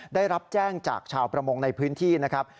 ได้รับแจ้งจากชาวประมงในพื้นที่นะครับ